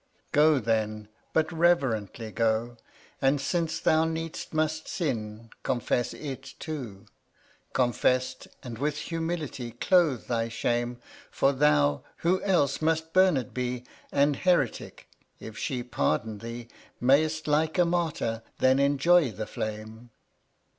Go then, but reverently go, And, since thou needs must sin, confess it too: Confess't, and with humility clothe thy shame; For thou, who else must burned be An heretick, if she pardon thee, May'st like a martyr then enjoy the flame.